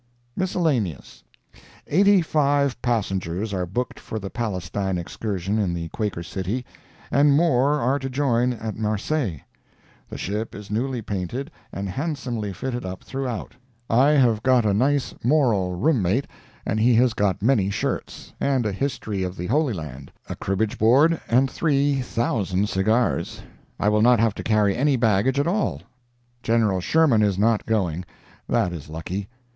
MISCELLANEOUS Eighty five passengers are booked for the Palestine excursion in the Quaker City, and more are to join at Marseilles. The ship is newly painted and handsomely fitted up throughout. I have got a nice moral room mate, and he has got many shirts, and a History of the Holy Land, a cribbage board and three thousand cigars. I will not have to carry any baggage at all. Gen. Sherman is not going. That is lucky.